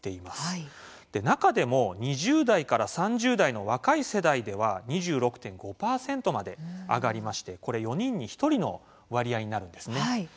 中でも２０代から３０代の若い世代では２６．５％まで上がりまして４人に１人の割合なんですね。